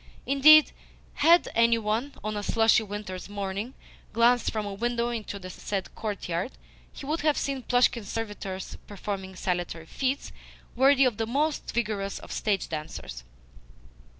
Indeed, had any one, on a slushy winter's morning, glanced from a window into the said courtyard, he would have seen Plushkin's servitors performing saltatory feats worthy of the most vigorous of stage dancers.